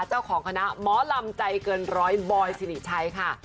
เจ้าของคณะหมอลำใจเกินร้อยบอยสิริชัยค่ะ